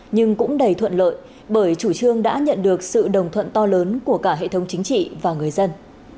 nhưng cũng đầy thuận lợi bởi chủ trương đã nhận được sự đồng thuận to lớn của cả hệ thống chính trị và người dân